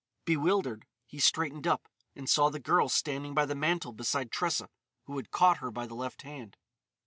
Bewildered, he straightened up; and saw the girl standing by the mantel beside Tressa, who had caught her by the left hand.